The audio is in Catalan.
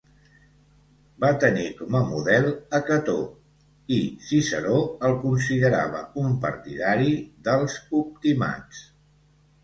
Va tenir com a model a Cató i Ciceró el considerava un partidari dels optimats.